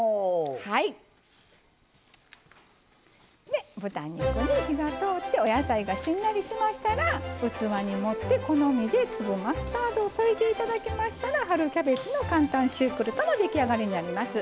で豚肉に火が通ってお野菜がしんなりしましたら器に盛って好みで粒マスタードを添えて頂きましたら春キャベツの簡単シュークルートの出来上がりになります。